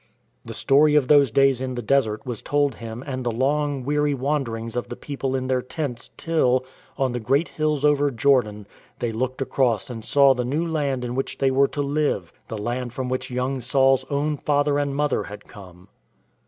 The story of those days in the desert was told him and the long, weary wanderings of the people in their tents, till, on the great hills over Jordan, they looked across and saw the new land in which they were to live — the land from which young Saul's own father and mother had come.